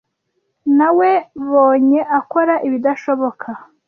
Nawebonye akora ibidashoboka.